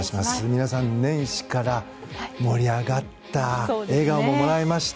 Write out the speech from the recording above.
皆さん年始から盛り上がった笑顔も生まれました。